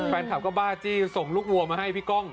แฟนคลับก็บ้าจี้ส่งลูกวัวมาให้พี่ก้อง